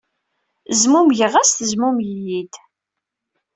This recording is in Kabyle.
Zmummegeɣ-as tezmummeg-iyi.